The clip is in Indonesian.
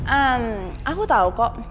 ehm aku tau kok